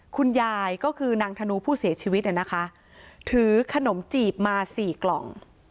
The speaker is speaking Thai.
คุณยายก็คือนางธนูผู้เสียชีวิตเนี่ยนะคะถือขนมจีบมาสี่กล่อง